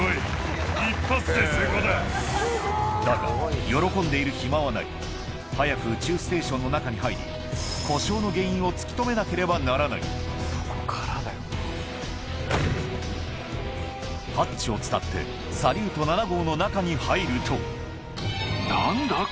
だが喜んでいる暇はない早く宇宙ステーションの中に入り故障の原因を突き止めなければならないハッチを伝ってサリュート７号の中に入ると何だ？